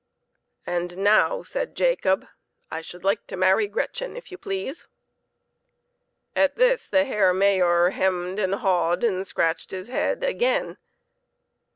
"And now," said Jacob, "I should like to marry Gretchen, if you please." At this the Herr Mayor hemmed and hawed and scratched his head again.